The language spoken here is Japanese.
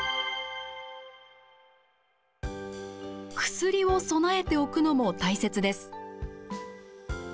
薬を備えておくのも大切です。